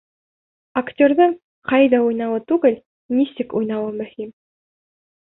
Актерҙың ҡайҙа уйнауы түгел, нисек уйнауы мөһим!